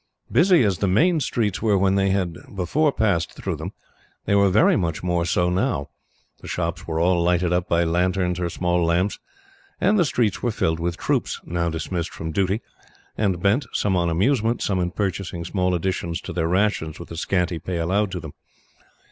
Busy as the main streets were when they had before passed through them, they were very much more so now. The shops were all lighted up by lanterns or small lamps, and the streets were filled with troops, now dismissed from duty, and bent, some on amusement, some in purchasing small additions to their rations with the scanty pay allowed to them.